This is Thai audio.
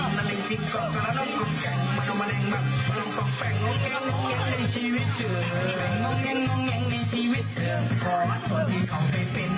มันลงมาแน่นแป่นมันจริงจริงกล่องสารน้องกล่องแกง